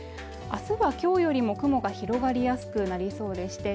明日は今日よりも雲が広がりやすくなりそうでして